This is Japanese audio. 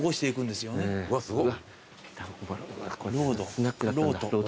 すごい。